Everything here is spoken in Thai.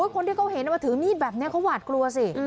คนที่เขาเห็นมาถือมีดแบบนี้เขาหวาดกลัวสิ